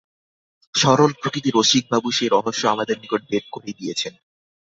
সরলপ্রকৃতি রসিকবাবু সে রহস্য আমাদের নিকট ভেদ করেই দিয়েছেন।